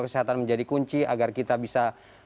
kesehatan menjadi kunci agar kita bisa